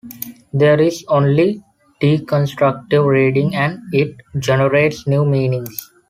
There is only deconstructive reading and it generates new meanings.